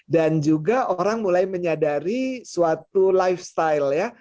dan juga orang mulai menyadari suatu lifestyle ya